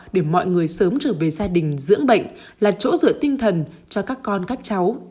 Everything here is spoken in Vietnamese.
để mọi người sớm trở về gia đình dưỡng bệnh là chỗ dựa tinh thần cho các con các cháu